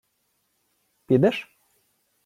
— Підеш?